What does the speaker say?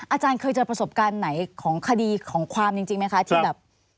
อาจารย์เคยเจอประสบการณ์ไหนของคดีของความจริงไหมคะที่แบบ